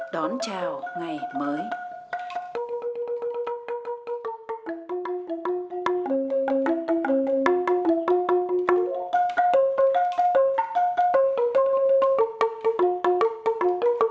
đón chào ngày mới